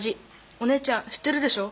お姉ちゃん知ってるでしょ？